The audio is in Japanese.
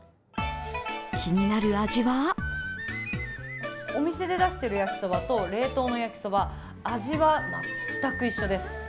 気になる味はお店で出している焼きそばと冷凍の焼きそば、味は全く一緒です。